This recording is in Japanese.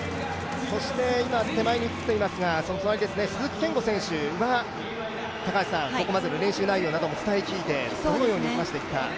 そして今、手前に写っていますが、鈴木健吾選手はこれまでの練習内容も伝え聞いてどのように見ますでしょうか？